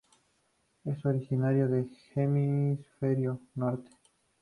Es originario del Hemisferio Norte.